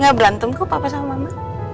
gak berantem kok papa sama mama